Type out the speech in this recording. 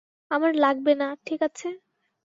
আমার লাগবে না, ঠিক আছে?